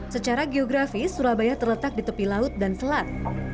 secara geografis surabaya terletak di tepi laut dan selat